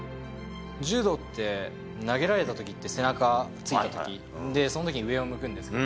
柔道って、投げられたときって、背中ついたとき、そのときに上を向くんですけど。